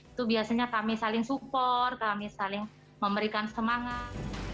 itu biasanya kami saling support kami saling memberikan semangat